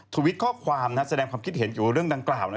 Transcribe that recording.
ทวิตข้อความแสดงความคิดเห็นเกี่ยวกับเรื่องดังกล่าว